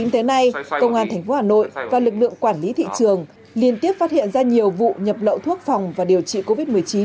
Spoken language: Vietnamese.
tới nay công an tp hà nội và lực lượng quản lý thị trường liên tiếp phát hiện ra nhiều vụ nhập lậu thuốc phòng và điều trị covid một mươi chín